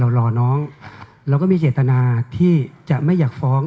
รอน้องเราก็มีเจตนาที่จะไม่อยากฟ้อง